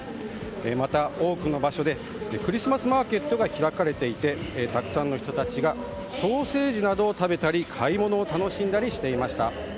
また、多くの場所でクリスマスマーケットが開かれていてたくさんの人たちがソーセージなどを食べたり買い物を楽しんでいました。